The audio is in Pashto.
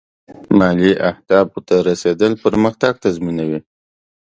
مالي اهدافو ته رسېدل اقتصادي پرمختګ تضمینوي.